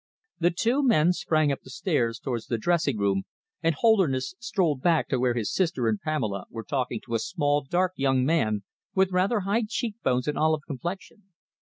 The two men sprang up the stairs towards the dressing room, and Holderness strolled back to where his sister and Pamela were talking to a small, dark young man, with rather high cheek bones and olive complexion.